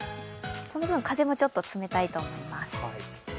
その分、風もちょっと冷たいと思います。